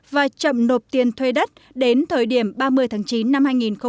và chậm nộp tiền thuê đất đến thời điểm ba mươi tháng chín năm hai nghìn một mươi bảy